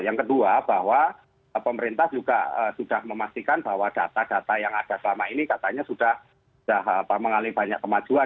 yang kedua bahwa pemerintah juga sudah memastikan bahwa data data yang ada selama ini katanya sudah mengalami banyak kemajuan